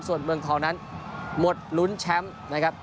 ส่วนเมืองทองนั้นหมดลุ้นแชมป์นะครับ